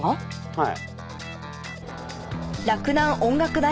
はい。